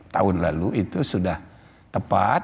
tahun lalu itu sudah tepat